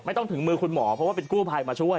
ต้องถึงมือคุณหมอเพราะว่าเป็นกู้ภัยมาช่วย